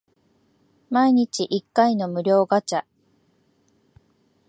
毎日一回の無料ガチャ